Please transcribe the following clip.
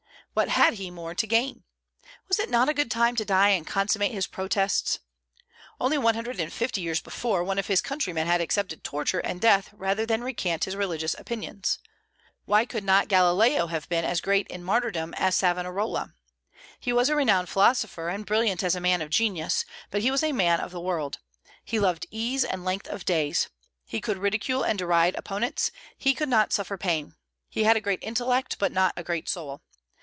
What had he more to gain? Was it not a good time to die and consummate his protests? Only one hundred and fifty years before, one of his countrymen had accepted torture and death rather than recant his religious opinions. Why could not Galileo have been as great in martyrdom as Savonarola? He was a renowned philosopher and brilliant as a man of genius, but he was a man of the world; he loved ease and length of days. He could ridicule and deride opponents, he could not suffer pain. He had a great intellect, but not a great soul.